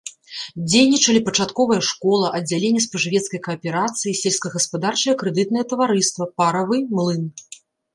Дзейнічалі пачатковая школа, аддзяленне спажывецкай кааперацыі, сельскагаспадарчае крэдытнае таварыства, паравы млын.